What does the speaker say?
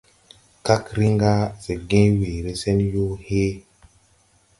Kag rin gà se gęę weere se yoo hee.